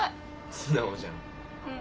素直じゃん。